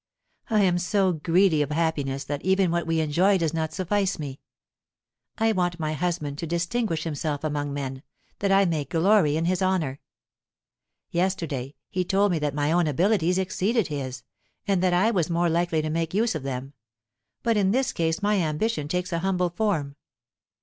I am so greedy of happiness that even what we enjoy does not suffice me; I want my husband to distinguish himself among men, that I may glory in his honour. Yesterday he told me that my own abilities exceeded his, and that I was more likely to make use of them; but in this case my ambition takes a humble form.